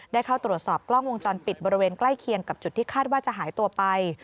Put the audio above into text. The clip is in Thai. ได้เข้าตรวจสอบกล้องวงจรปิดบริเวณใกล้เคียงกับจุดที่คาดว่าจะหายตัวไป